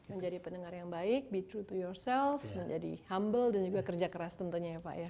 menjadi pendengar yang baik be thru to yourself menjadi humble dan juga kerja keras tentunya ya pak ya